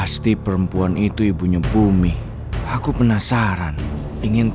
celaka ada yang datang